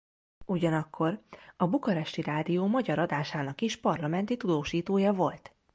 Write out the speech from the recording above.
Ugyanakkor a bukaresti rádió magyar adásának is parlamenti tudósítója volt.